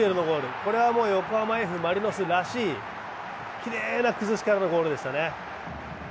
これは横浜Ｆ・マリノスらしいきれいな崩し方のゴールでしたね。